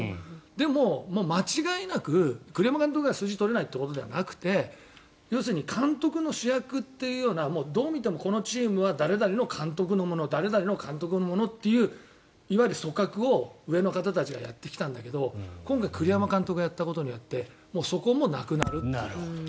でも、間違いなく栗山監督が数字取れないということではなくて監督の主役というようなどう見てもこのチームは誰々の監督のもの誰々の監督のものという組閣を上の方たちがやってきたんだけど今回、栗山監督がやったことによってそこもなくなると。